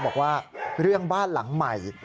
บอกว่าเรื่องบ้านหลังใหม่